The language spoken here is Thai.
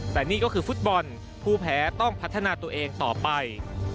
แต่นี่ก็คือฟุตบอลผู้แพ้ต้องพัฒนาตัวเองต่อไป